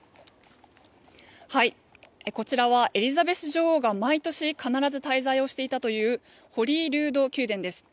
こちらはエリザベス女王が毎年、必ず滞在をしていたというホリールード宮殿です。